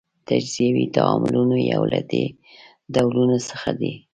تجزیوي تعاملونه یو له دې ډولونو څخه دي.